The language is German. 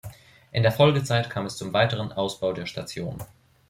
In der Folgezeit kam es zum weiteren Ausbau der Station.